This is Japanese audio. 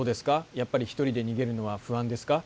やっぱり一人で逃げるのは不安ですか？